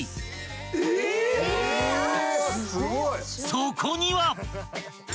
［そこには］